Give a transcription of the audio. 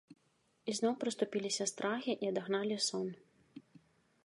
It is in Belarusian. І зноў прыступіліся страхі і адагналі сон.